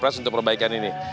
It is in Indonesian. karena ini juga diperbaikan ini